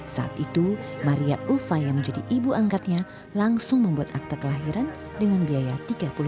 saat itu maria ufa yang menjadi ibu angkatnya langsung membuat akta kelahiran dengan biaya rp tiga puluh lima